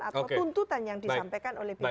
atau tuntutan yang disampaikan oleh bpn